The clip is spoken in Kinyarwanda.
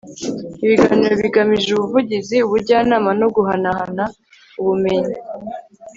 ibiganiro bigamije ubuvugizi ubujyanama no guhanahana ubumenyi